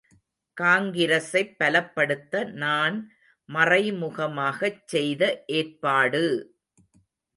காங்கிரசைப் பலப்படுத்த நான் மறைமுகமாகச் செய்த ஏற்பாடு!